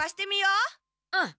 うん。